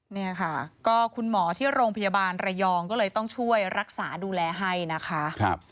เนี่ยค่ะก็คุณหมอที่โรงพยาบาลระยองก็เลยต้องช่วยรักษาดูแลให้นะคะ